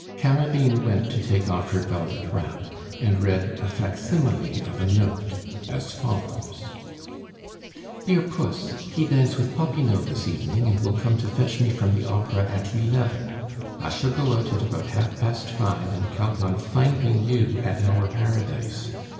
Carabine went to take off her velvet wrap, and read a facsimile of a note, as follows: "DEAR PUSS. He dines with Popinot this evening, and will come to fetch me from the Opera at eleven. I shall go out at about half past five and count on finding you at our paradise.